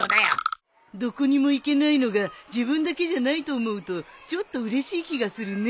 どこにも行けないのが自分だけじゃないと思うとちょっとうれしい気がするね。